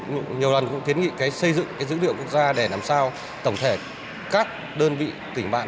cũng nhiều lần cũng kiến nghị xây dựng dữ liệu quốc gia để làm sao tổng thể các đơn vị tỉnh bạn